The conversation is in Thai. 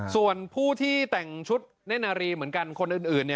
ส่วนผู้ที่แต่งชุดเน่นนารีเหมือนกันคนอื่น